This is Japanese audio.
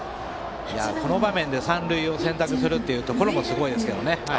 この場面で三塁を選択するのもすごいですけどね。